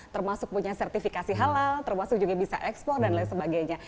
termasuk punya sertifikasi halal termasuk juga bisa ekspor dan lain sebagainya